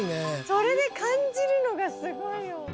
それで感じるのがすごいよ。